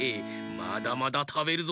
まだまだたべるぞ！